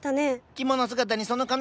着物姿にその髪形。